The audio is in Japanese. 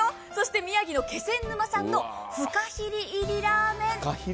宮城の気仙沼産のフカヒレ入りラーメン。